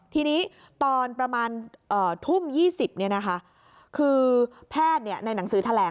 ทีนี้ตอนประมาณทุ่ม๒๐คือแพทย์ในหนังสือแถลง